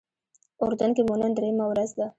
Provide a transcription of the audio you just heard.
اردن کې مو نن درېیمه ورځ ده.